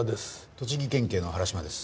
栃木県警の原島です。